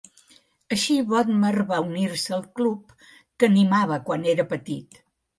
Així, Bodmer va unir-se al club que animava quan era petit.